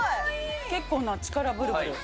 結構な力、ぶるぶる。